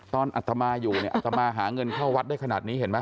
อัตมาอยู่เนี่ยอัตมาหาเงินเข้าวัดได้ขนาดนี้เห็นไหม